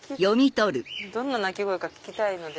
どんな鳴き声か聞きたいので。